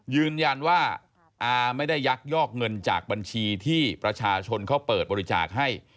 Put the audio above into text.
ยืนยันว่าอาไม่ได้ยักยอกเงินจากบัญชีที่ประชาชนเขาเปิดบริจาคให้